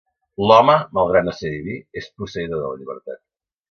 L'Home, malgrat no ser diví, és posseïdor de la llibertat.